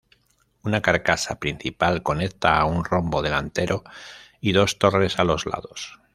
Una carcasa principal conecta a un rombo delantero y dos torres a los lados.